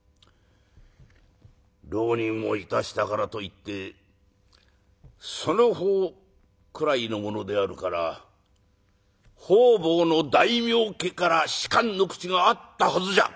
浪人をいたしたからといってその方くらいのものであるから方々の大名家から仕官の口があったはずじゃ」。